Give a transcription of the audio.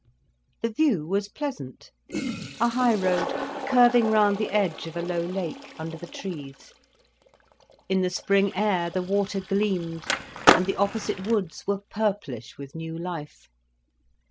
The view was pleasant; a highroad curving round the edge of a low lake, under the trees. In the spring air, the water gleamed and the opposite woods were purplish with new life.